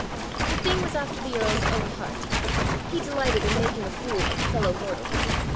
The thing was after the earl's own heart; he delighted in making a fool of a fellow mortal.